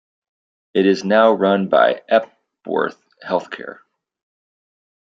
It is now run by Epworth Healthcare.